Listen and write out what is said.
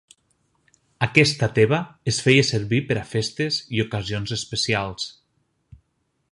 Aquesta tevah es feia servir per a festes i ocasions especials.